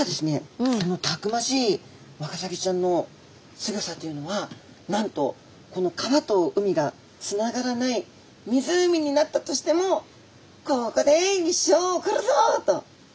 そのたくましいワカサギちゃんのすギョさというのはなんとこの川と海がつながらない湖になったとしても「ここで一生を送るぞ」と。